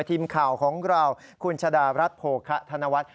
ทีมข่าวของเราคุณชะดารัฐโภคะธนวัฒน์